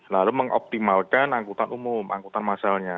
lalu mengoptimalkan angkutan umum angkutan massalnya